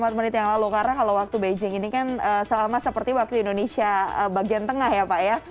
empat menit yang lalu karena kalau waktu beijing ini kan sama seperti waktu indonesia bagian tengah ya pak ya